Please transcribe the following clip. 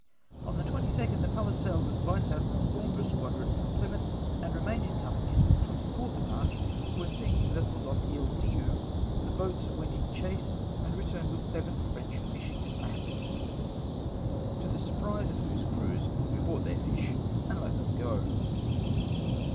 On the 22nd the Pallas sailed with Vice Admiral Thornborough's squadron from Plymouth, and remained in company till the 24th of March, when seeing some vessels off Isle Dieu, the boats went in chase, and re turned with seven French fishing smacks ; to the sur prise of whose crews we bought their fish, and let them go.